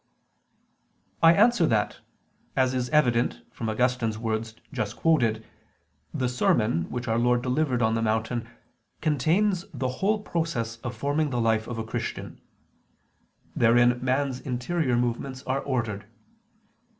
I answer that, As is evident from Augustine's words just quoted, the sermon, which Our Lord delivered on the mountain, contains the whole process of forming the life of a Christian. Therein man's interior movements are ordered.